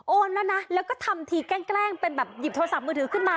แล้วนะแล้วก็ทำทีแกล้งเป็นแบบหยิบโทรศัพท์มือถือขึ้นมา